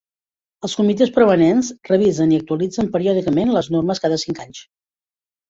Els comitès permanents revisen i actualitzen periòdicament les normes cada cinc anys.